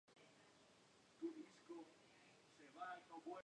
Este estado desapareció con la llegada de los talibanes.